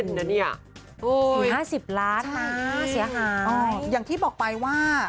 โอ๊ยใช่อย่างนี้เสียหายอย่างที่บอกไปว่า